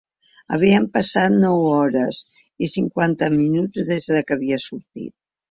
Havien passat nou hores i cinquanta minuts des que havia sortit.